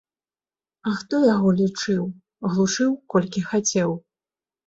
А хто яго лічыў, глушыў колькі хацеў.